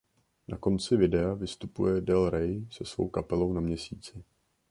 Na konci videa vystupuje Del Rey se svou kapelou na měsíci.